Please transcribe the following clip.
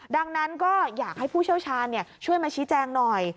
ดังนั้นก็อยากให้ผู้เชี่ยวชาญช่วยมาชี้แจงหน่อย